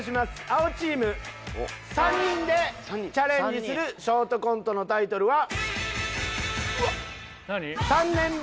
青チーム３人でチャレンジするショートコントのタイトルは。